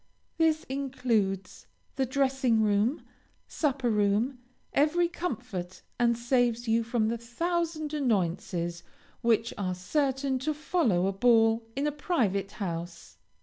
This includes the dressing room, supper room, every comfort, and saves you from the thousand annoyances which are certain to follow a ball in a private house.